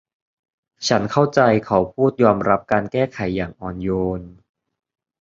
ฉันเข้าใจเขาพูดยอมรับการแก้ไขอย่างอ่อนโยน